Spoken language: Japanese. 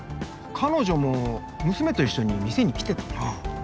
彼女も娘と一緒に店に来てたな。